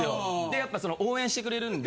やっぱ応援してくれるんで。